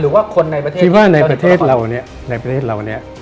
หรือว่าคนในประเทศคิดว่าในประเทศเราเนี่ยในประเทศเราเนี่ย